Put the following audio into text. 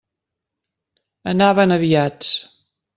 Anaven aviats!